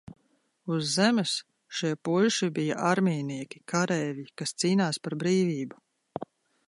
Uz Zemes šie puiši bija armijnieki, kareivji, kas cīnās par brīvību.